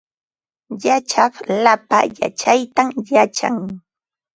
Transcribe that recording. Yachaq lapa yachaytam yachan